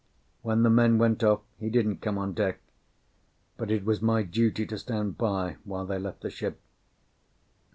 When the men went off he didn't come on deck; but it was my duty to stand by while they left the ship.